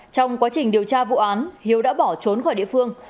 trong quá trình điều tra vụ án hiếu đã bỏ trốn khỏi địa phương